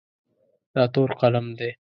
دا تور قلم دی.